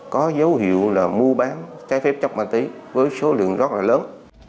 có dấu hiệu là mua bán trái phép chốc ma tí với số lượng rất là lớn